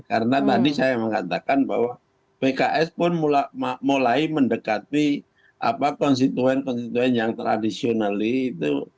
karena tadi saya mengatakan bahwa pks pun mulai mendekati konstituen konstituen yang tradisional itu